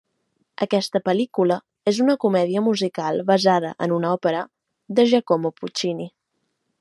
Aquesta pel·lícula és una comèdia musical basada en una òpera de Giacomo Puccini.